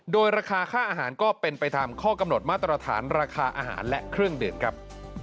โดยราคาค่าอาหารก็เป็นไปตามข้อกำหนดมาตรฐานราคาอาหารและเครื่องดื่มครับ